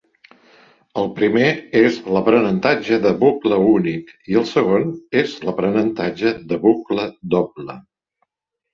El primer és l'aprenentatge de bucle únic i el segon és l'aprenentatge de bucle doble.